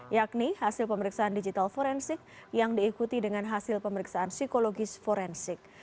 yakni hasil pemeriksaan digital forensik yang diikuti dengan hasil pemeriksaan psikologis forensik